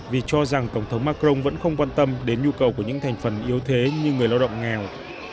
vì cho rằng tổng thống macron vẫn không quan tâm đến nhu cầu của những thành phần yếu thế như người lao động nghèo